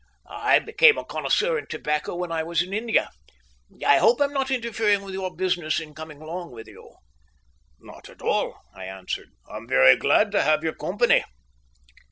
"I became a connoisseur in tobacco when I was in India. I hope I am not interfering with your business in coming along with you?" "Not at all," I answered, "I am very glad to have your company."